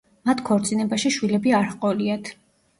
მათ ქორწინებაში შვილები არ ჰყოლიათ.